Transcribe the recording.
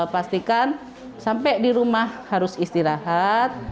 pastikan sampai di rumah harus istirahat